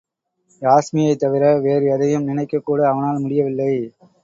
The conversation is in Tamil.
யாஸ்மியைத் தவிர வேறு எதையும் நினைக்கக்கூட அவனால் முடியவில்லை.